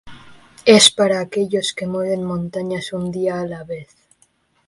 Es para aquellos que mueven montañas un día a la vez.